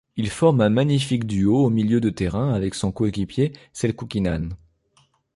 Il forme un magnifique duo au milieu de terrain avec son coéquipier, Selçuk Inan.